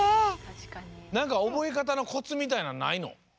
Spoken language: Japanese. なんか覚え方のコツみたいなんないの？